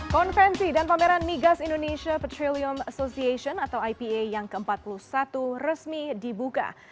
konvensi dan pameran migas indonesia petrium association atau ipa yang ke empat puluh satu resmi dibuka